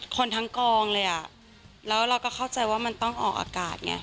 คนทั้งกองเลยอ่ะแล้วเราก็เข้าใจว่ามันต้องออกอากาศไง